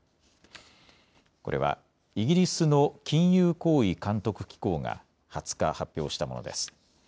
これはイギリスの金融行為監督機構が２０日発表したものです。